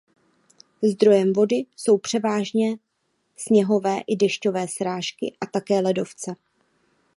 Zdrojem vody jsou převážně sněhové i dešťové srážky a také ledovce.